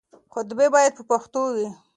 خطبې بايد په پښتو وي.